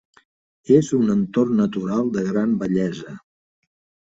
És un entorn natural de gran bellesa.